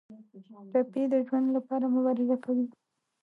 ټپي د ژوند لپاره مبارزه کوي.